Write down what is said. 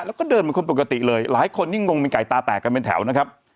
แล้วก็เดินเหมือนคนปกติเลยหลายคนยิ่งงงเป็นไก่ตาแตกกันเป็นแถวนะครับ